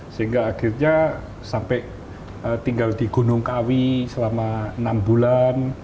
sehingga akhirnya sampai tinggal di gunung kawi selama enam bulan